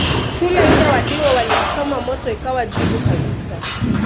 Shule ile wadigo waliichoma moto ikawa jivu kabisa